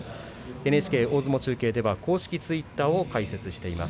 ＮＨＫ大相撲中継では公式ツイッターを開設しています。